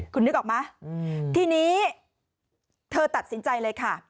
คุณนึกออกไหมทีนี้เธอตัดสินใจเลยค่ะ